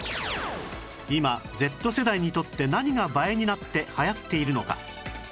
今 Ｚ 世代にとって何が映えになって流行っているのか？